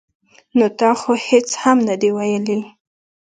ـ نو تا خو هېڅ هم نه دي ویلي.